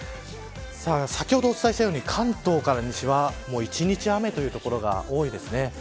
先ほどお伝えしたように関東から西は一日雨という所が多いです。